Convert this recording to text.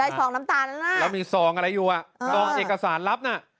ถึงสองลำตาลแล้วมีซองอะไรอยู่ต้องเอกสารลำนะ